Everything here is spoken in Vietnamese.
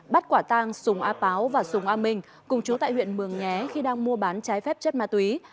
bắt quả tang sùng a páo và sùng a minh cùng chú tại huyện mường nhé khi đang mua bán trái phép chất ma túy